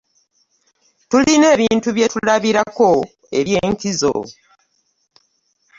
Tulina ebintu bye tulabirako eby'enkizo.